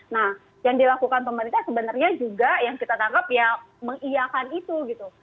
nah yang dilakukan pemerintah sebenarnya juga yang kita tangkap ya mengiakan itu gitu